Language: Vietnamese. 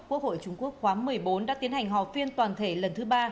quốc hội trung quốc khóa một mươi bốn đã tiến hành họp phiên toàn thể lần thứ ba